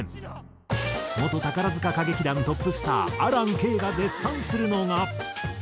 元宝塚歌劇団トップスター安蘭けいが絶賛するのが。